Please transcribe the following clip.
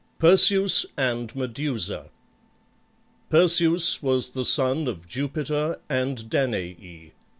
PERSEUS AND MEDUSA Perseus was the son of Jupiter and Danae.